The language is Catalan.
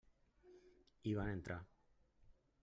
Hi van entrar.